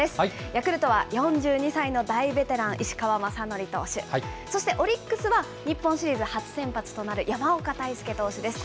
ヤクルトは４２歳の大ベテラン、石川雅規投手、そしてオリックスは日本シリーズ初先発となる山岡泰輔投手です。